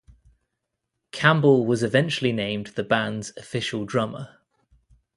Campbell was eventually named the band's official drummer.